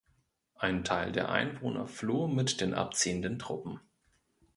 Ein Teil der Einwohner floh mit den abziehenden Truppen.